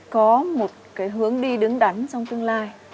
có một cái hướng đi đứng đắn trong tương lai